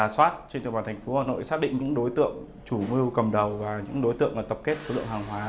xác định những đối tượng chủ mưu cầm đầu và những đối tượng tập kết số lượng hàng hóa